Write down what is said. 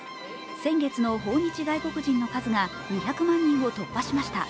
先月の訪日外国人の数が２００万人を突破しました。